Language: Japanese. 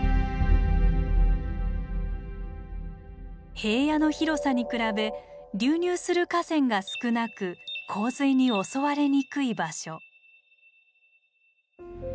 平野の広さに比べ流入する河川が少なく洪水に襲われにくい場所。